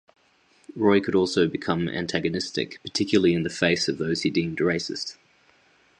Roy could also become antagonistic, particularly in the face of those he deemed racist.